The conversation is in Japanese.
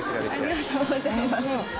ありがとうございます。